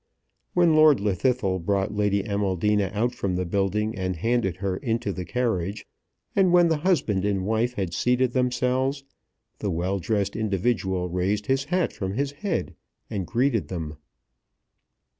When Lord Llwddythlw brought Lady Amaldina out from the building and handed her into the carriage, and when the husband and wife had seated themselves, the well dressed individual raised his hat from his head, and greeted them.